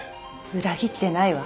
裏切ってないわ